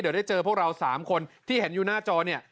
เดี๋ยวได้เจอพวกเรา๓คนที่เห็นอยู่หน้าจอเนี่ย